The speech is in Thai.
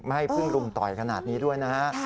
ให้พึ่งรุมต่อยขนาดนี้ด้วยนะฮะ